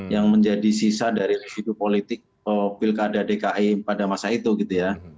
yang menjadi sisa dari residu politik pilkada dki pada masa itu gitu ya